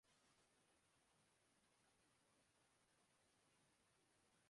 گر فکرِ زخم کی تو خطاوار ہیں کہ ہم